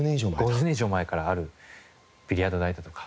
５０年以上前からあるビリヤード台だとか。